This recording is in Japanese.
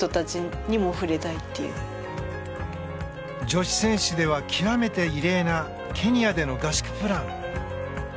女子選手では極めて異例なケニアでの合宿プラン。